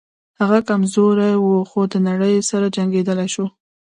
هغه کمزوری و خو د نړۍ سره جنګېدلی شو